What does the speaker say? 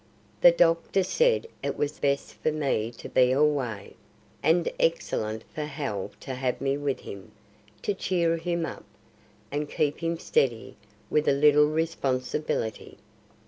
The doctor said it was best for me to be away, and excellent for Hal to have me with him, to cheer him up, and keep him steady with a little responsibility.